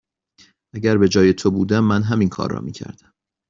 اگر به جای تو بودم، من همین کار را می کردم.